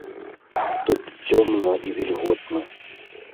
Тут цёмна і вільготна.